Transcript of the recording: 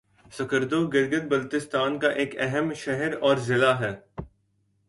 سکردو گلگت بلتستان کا ایک اہم شہر اور ضلع ہے